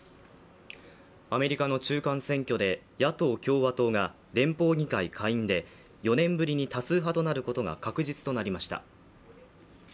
アメリカの中間選挙で野党・共和党が連邦議会下院で４年ぶりに多数派となることが確実となりました。